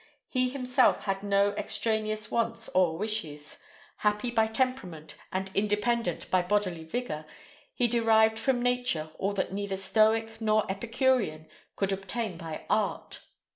He himself had no extraneous wants or wishes. Happy by temperament, and independent by bodily vigour, he derived from nature all that neither Stoic nor Epicurean could obtain by art.